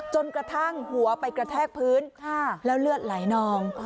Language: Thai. จนกระทั่งหัวไปกระแทกพื้นแล้วเลือดไหลนอง